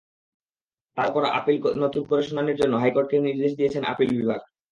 তাঁর করা আপিল নতুন করে শুনানির জন্য হাইকোর্টকে নির্দেশ দিয়েছেন আপিল বিভাগ।